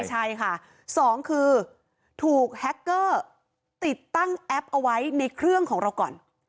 ใช่ค่ะสองคือถูกแฮคเกอร์ติดตั้งแอปเอาไว้ในเครื่องของเราก่อน